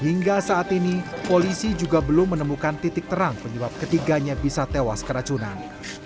hingga saat ini polisi juga belum menemukan titik terang penyebab ketiganya bisa tewas keracunan